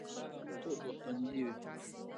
کلتور به خوندي وي.